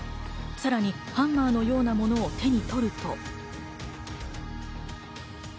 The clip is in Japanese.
さらにハンマーのようなものを手に取ると。